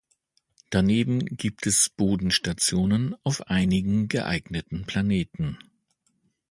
Daneben gibt es Bodenstationen auf einigen geeigneten Planeten.